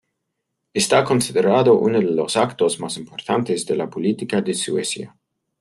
Está considerado uno de los actos más importantes de la política de Suecia.